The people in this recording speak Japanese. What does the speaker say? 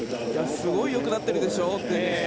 すごいよくなっているでしょと。